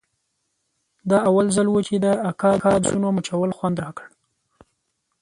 دا اول ځل و چې د اکا د لاسونو مچول خوند راکړ.